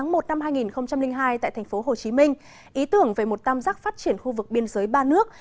năm hai nghìn một hai nghìn hai tại thành phố hồ chí minh ý tưởng về một tăm giác phát triển khu vực biên giới ba nước